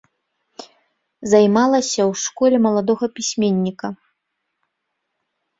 Займалася ў школе маладога пісьменніка.